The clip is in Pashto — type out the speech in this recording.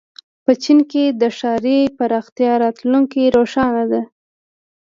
په چین کې د ښاري پراختیا راتلونکې روښانه ده.